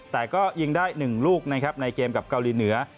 แต่ก็ยิงได้๑ลูกนะครับในเกมกับเกาหลีเหนือ